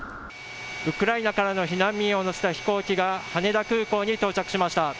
ウクライナからの避難民を乗せた飛行機が羽田空港に到着しました。